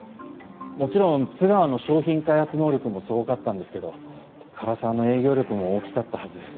もちろん津川の商品開発能力もすごかったんですけど唐沢の営業力も大きかったはずです。